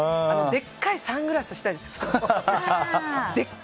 でっかいサングラスしたいですもん。